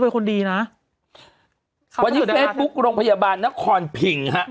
ข้อที่เซ็บบุ๊กรองพยาบาลณคอนผิ่งฮะ